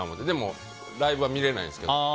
でもライブは見れないんですけど。